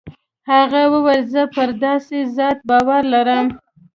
هغه وويل زه پر داسې ذات باور لرم.